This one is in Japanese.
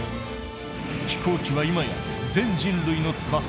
飛行機は今や全人類の翼。